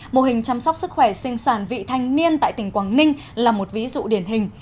mô hình chăm sóc sức khỏe sinh sản vị thanh niên tại tỉnh quảng ninh là một ví dụ điển hình